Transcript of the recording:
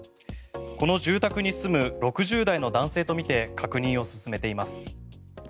この住宅に住む６０代の男性とみて確認を進めています。